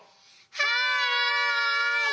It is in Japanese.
はい！